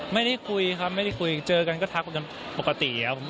ไม่ได้คุยครับไม่ได้คุยเจอกันก็ทักกันปกติครับ